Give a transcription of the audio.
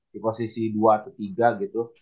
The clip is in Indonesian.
di posisi dua atau tiga gitu